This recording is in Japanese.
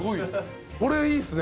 これいいっすね。